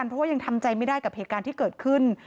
เพราะว่ายังทำใจไม่ได้กับเหตุการณ์ที่เกิดขึ้น